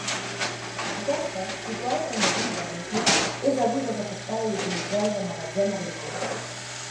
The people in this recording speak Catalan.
Aquesta, situada també dins del nucli, és avui desafectada i utilitzada de magatzem agrícola.